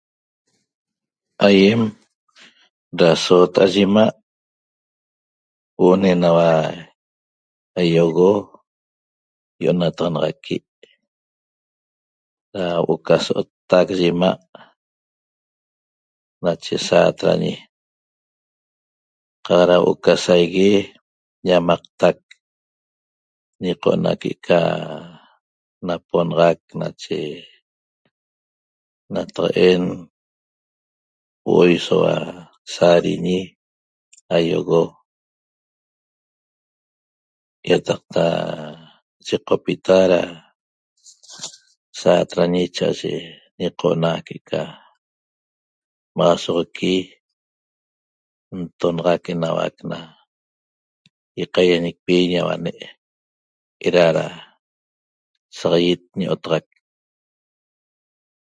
Aýem da soota'a yi 'ima' huo'o ne'enaua aýogo i'onataxanaxaqui' da huo'o ca so'ottac yi 'ima' nache saatrañi qaq da huo'o ca saigue ñamaqtac ñiqo'ona que'eca naponaxac nache nataq'en huo'oi soua saadiñi aýogo ýataqta yiqopita da saatrañi cha'aye ñiqo'ona que'eca maxasoxoqui ntonaxac enauac na ýaqaýañicpi ñauane' eda da saq ýit ñi'otaxac